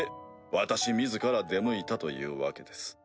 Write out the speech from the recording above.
私自ら出向いたというわけです。